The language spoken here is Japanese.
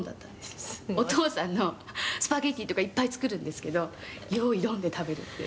「お父さんのスパゲティとかいっぱい作るんですけど“用意ドン”で食べるっていう」